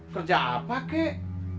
kerja apa kek